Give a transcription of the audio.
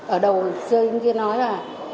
ở đầu sơ hình kia nói là